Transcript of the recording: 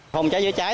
phòng cháy trựa cháy